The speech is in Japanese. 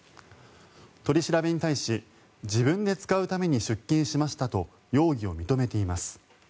取り調べに対し自分で使うために出金しましたと容疑を認めています。